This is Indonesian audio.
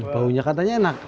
baunya katanya enak